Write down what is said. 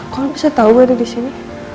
kok gak bisa tau gue ada disini